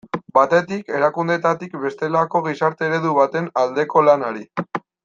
Batetik, erakundeetatik bestelako gizarte eredu baten aldeko lanari.